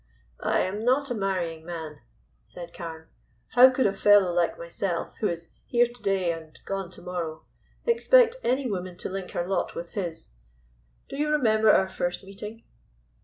"I am not a marrying man," said Carne; "how could a fellow like myself, who is here to day and gone to morrow, expect any woman to link her lot with his? Do you remember our first meeting?"